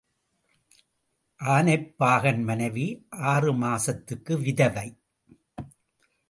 ஆனைப் பாகன் மனைவி ஆறுமாசத்துக்கு விதவை.